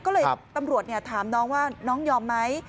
ก็เลยตำรวจถามน้องว่าน้องยอมไหม